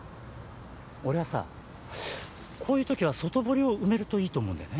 俺はさこういう時は外堀を埋めるといいと思うんだよね。